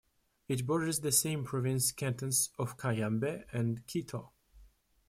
It borders the same-province cantons of Cayambe and Quito.